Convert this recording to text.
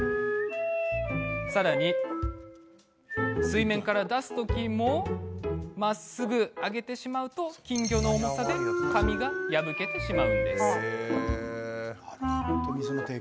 さらに、水面から出す時にまっすぐ上に上げてしまっても金魚の重みで紙が破けてしまいました。